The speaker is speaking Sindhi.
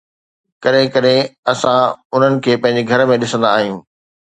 ڪڏهن ڪڏهن اسان انهن کي پنهنجي گهر ۾ ڏسندا آهيون